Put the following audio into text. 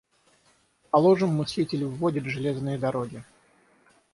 Положим, мыслитель вводит железные дороги.